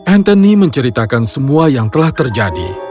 anthony menceritakan semua yang telah terjadi